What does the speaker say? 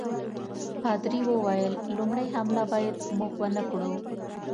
پادري وویل لومړی حمله باید موږ ونه کړو.